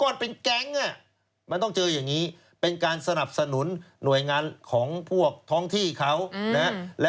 ดังนั้นเดี๋ยวไปติดตามดูครับ